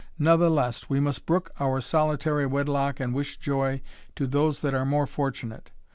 Natheless, we must brook our solitary wedlock, and wish joy to those that are more fortunate.